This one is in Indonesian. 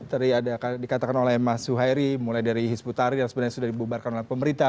tadi dikatakan oleh mas suhairi mulai dari hisbutari yang sebenarnya sudah dibubarkan oleh pemerintah